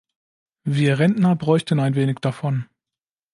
Wir Rentner bräuchten ein wenig davon!